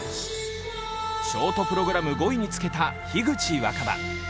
ショートプログラム５位につけた樋口新葉。